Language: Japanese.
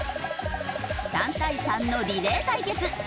３対３のリレー対決。